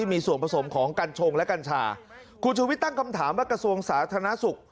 มีส่วนผสมของกัญชงและกัญชาคุณชูวิทย์ตั้งคำถามว่ากระทรวงสาธารณสุข